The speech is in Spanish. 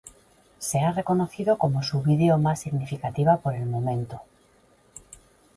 Se ha reconocido como su vídeo más significativa por el momento.